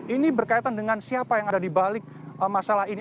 ini berkaitan dengan siapa yang ada di balik masalah ini